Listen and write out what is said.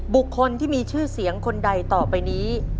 บุคคลที่มีชื่อเสียงคนใดต่อไปนี้